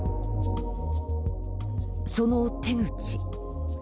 その手口。